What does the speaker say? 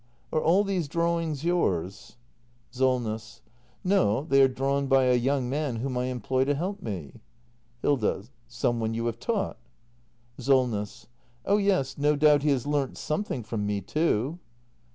Are all these drawings yours ? Solness. No, they are drawn by a young man whom I employ to help me. Hilda. Some one you have taught ? Solness. Oh yes, no doubt he has learnt something from m e, too.